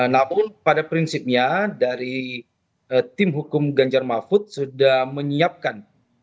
namun pada prinsipnya dari tim hukum ganjar mahfud sudah menyiapkan